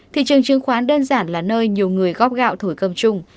thị trường trừng khoán đơn giản là nơi nhiều người góp gạo thổi cơm chung